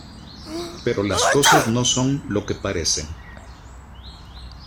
Pero las cosas no son lo que parecen.